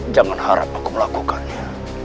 jangan harap aku melakukannya